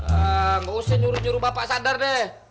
tidak usah nyuruh nyuruh bapak sadar deh